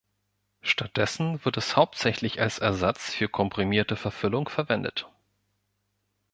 Stattdessen wird es hauptsächlich als Ersatz für komprimierte Verfüllung verwendet.